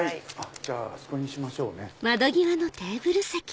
じゃああそこにしましょうね。